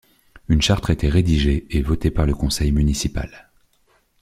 Une charte a été rédigée et votée par le conseil municipal.